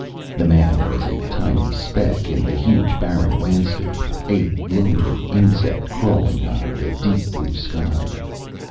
The man was a tiny speck in the huge barren landscape, a lonely insect crawling under the deep blue sky.